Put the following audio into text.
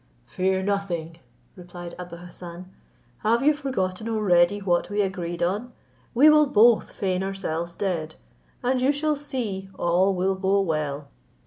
"Fear nothing," replied Abou Hassan. "Have you forgotten already what we agreed on? We will both feign ourselves dead, and you shall see all will go well.